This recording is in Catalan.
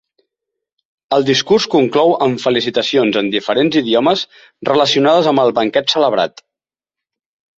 El discurs conclou amb felicitacions en diferents idiomes relacionades amb el banquet celebrat.